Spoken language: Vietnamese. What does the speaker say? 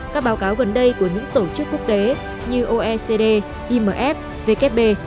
các báo cáo gần đây của những tổ chức quốc tế như oecd imf vkp